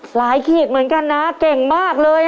ขีดเหมือนกันนะเก่งมากเลย